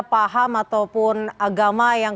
paham ataupun agama yang